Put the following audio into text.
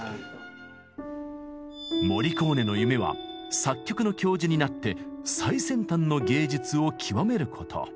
モリコーネの夢は作曲の教授になって最先端の芸術をきわめること。